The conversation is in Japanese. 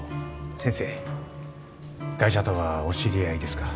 先生ガイ者とはお知り合いですか？